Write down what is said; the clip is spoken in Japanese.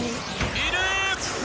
いる！